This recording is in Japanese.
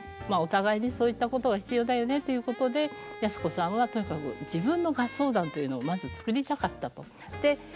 まあお互いにそういったことが必要だよねということで靖子さんはとにかく自分の合奏団というのをまず作りたかったと。